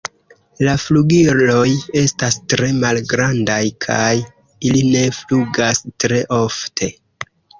La flugiloj estas tre malgrandaj kaj ili ne flugas tre ofte.